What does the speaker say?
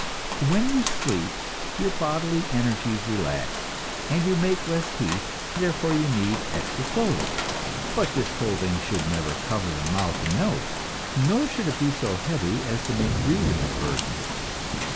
When you sleep, your bodily energies relax, and you make less heat, therefore you need extra clothing; but this clothing should never cover the mouth and nose, nor should it be so heavy as to make breathing a burden.